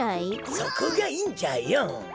そこがいいんじゃよ。